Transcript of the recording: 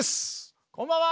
こんばんは！